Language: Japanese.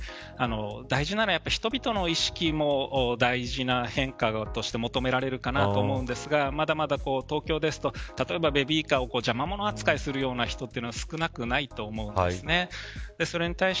大事なのは人々の意識も大事な変化として求められると思うんですがまだまだ東京ですと、例えばベビーカーを邪魔もの扱いするような人は少なくないと思うんです。